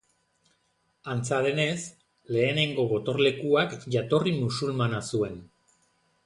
Antza denez, lehenengo gotorlekuak jatorri musulmana zuen.